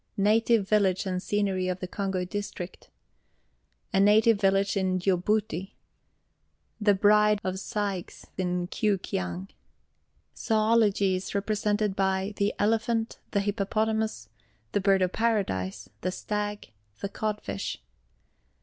Native Village and Scenery in the Congo District. A Native Village in Djibouti. The Bridge of Sighs in Kewkiang. ZOOLOGY IS REPRESENTED BY The Elephant, the Hippopotamus, the Bird of Paradise, the Stag, the Codfish.